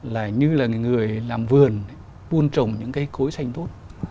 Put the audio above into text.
là như là người làm vườn buôn trồng những cái cối xanh tốt